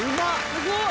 すごい。